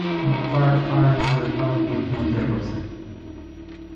No firearms were found with Monterrosa.